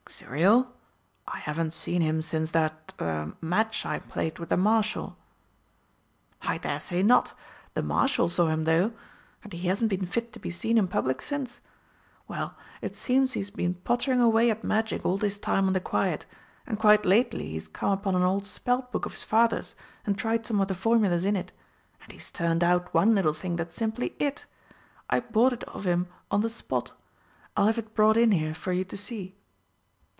"Xuriel? I haven't seen him since that er match I played with the Marshal." "I daresay not. The Marshal saw him, though and he hasn't been fit to be seen in public since. Well, it seems he's been pottering away at Magic all this time on the quiet and quite lately he's come upon an old spell book of his father's and tried some of the formulas in it. And he's turned out one little thing that's simply it. I bought it of him on the spot. I'll have it brought in here for you to see."